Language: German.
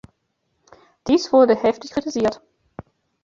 Dies wurde heftig kritisiert.